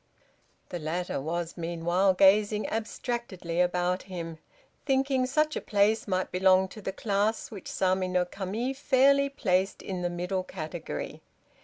The latter was meanwhile gazing abstractedly about him, thinking such a place might belong to the class which Sama no Kami fairly placed in the middle category.